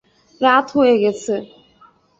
রাত হয়ে গেছে।